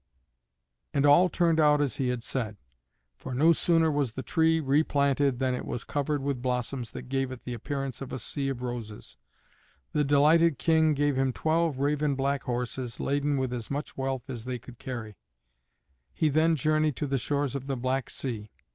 And all turned out as he had said, for no sooner was the tree replanted than it was covered with blossoms that gave it the appearance of a sea of roses. The delighted King gave him twelve raven black horses, laden with as much wealth as they could carry. He then journeyed to the shores of the Black Sea.